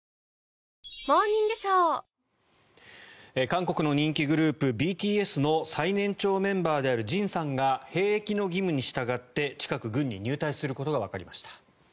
韓国の人気グループＢＴＳの最年長メンバーであるＪＩＮさんが兵役の義務に従って近く、軍に入隊することがわかりました。